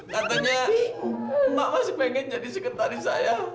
katanya emak masih pengen jadi sekretaris saya